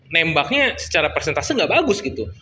nembaknya secara persentase nggak bagus gitu